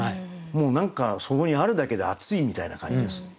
もう何かそこにあるだけであついみたいな感じがする。